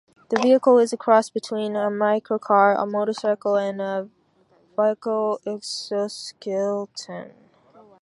The vehicle is a cross between a microcar, a motorcycle, and a vehicular exoskeleton.